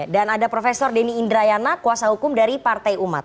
dan ada profesor deni indrayana kuasa hukum dari partai umat